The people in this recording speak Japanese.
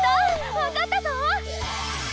わかったぞ！